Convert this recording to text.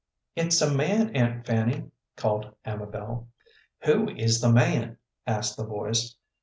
"It's a man, Aunt Fanny," called Amabel. "Who is the man?" asked the voice.